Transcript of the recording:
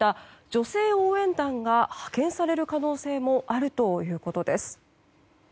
女性応援団が派遣される可能性もあるということです。